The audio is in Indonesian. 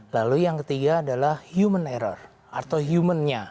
lalu yang ketiga adalah human error atau human nya